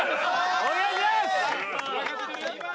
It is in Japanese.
お願いします！